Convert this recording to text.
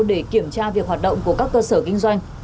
để kiểm tra việc hoạt động của các cơ sở kinh doanh